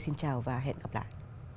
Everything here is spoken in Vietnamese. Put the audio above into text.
xin chào và hẹn gặp lại